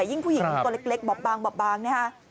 ยิ่งผู้หญิงตัวเล็กบอกบางนี่ค่ะ